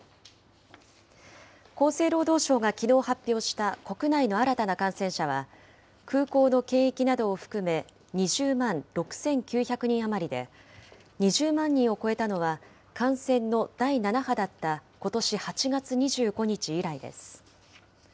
厚生労働省がきのう発表した、国内の新たな感染者は、空港の検疫などを含め２０万６９００人余りで、２０万人を超えたのは、感染の第７波だったことし８月２５日以来です。